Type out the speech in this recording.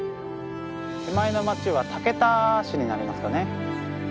手前の町は竹田市になりますかね。